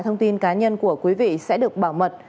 thông tin cá nhân của quý vị sẽ được bảo mật